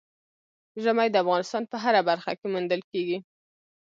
ژمی د افغانستان په هره برخه کې موندل کېږي.